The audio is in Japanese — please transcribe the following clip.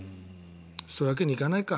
そういうわけにはいかないか。